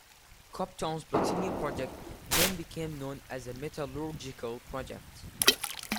Compton's plutonium project then became known as the Metallurgical Project.